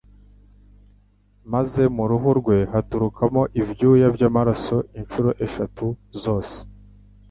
maze mu ruhu rwe haturukamo ibyuya by'amaraso- Inshuro eshatu zose,